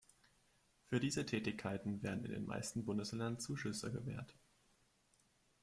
Für diese Tätigkeiten werden in den meisten Bundesländern Zuschüsse gewährt.